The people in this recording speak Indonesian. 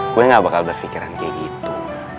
gue ga bakal berfikiran kayak gitu